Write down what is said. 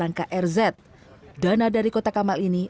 dan selama lima tahun bergerili berjalan jalan di kota kamal ini